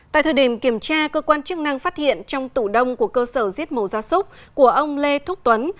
tại thời điểm kiểm tra cơ quan chức năng phát hiện trong tủ đông của cơ sở giết mổ ra súc của ông lê thúc tuấn